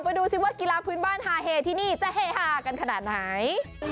ดูสิว่ากีฬาพื้นบ้านฮาเฮที่นี่จะเฮฮากันขนาดไหน